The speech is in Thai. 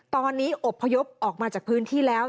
ตอนนี้อบพยพออกมาจากพื้นที่แล้ว